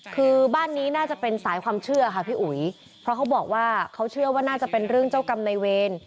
คือบ้านนี้น่าจะเป็นสายความเชื่อค่ะพี่อุ๋ยเพราะเขาบอกว่าเขาเชื่อว่าน่าจะเป็นเรื่องเจ้ากรรมในเวร